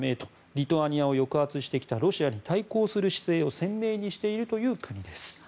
リトアニアを抑圧してきたロシアに対抗する姿勢を鮮明にしているという国です。